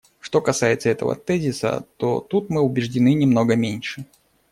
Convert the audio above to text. Что касается этого тезиса, то тут мы убеждены немного меньше.